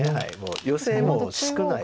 ヨセも少ない。